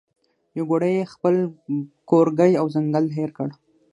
یو ګړی یې خپل کورګی او ځنګل هېر کړ